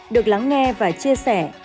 được lắng nghe và chia sẻ